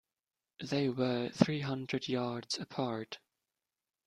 They were three hundred yards apart.